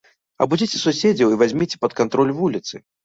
Абудзіце суседзяў і вазьміце пад кантроль вуліцы!